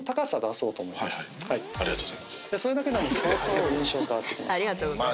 それだけでも相当印象変わってきます